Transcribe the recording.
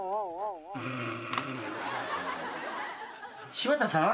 柴田さん？